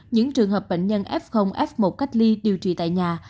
những trường hợp bệnh nhân f f một cách ly điều trị tại nhà